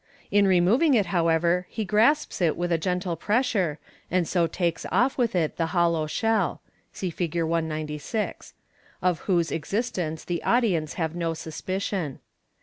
In removing it, however, he grasps it with a gentle pressure, and so takes off with it the hollow shell {see Fig. 196), of whose ex istence the audience have no sus picion.